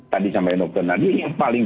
tadi sampaikan dokter tadi yang paling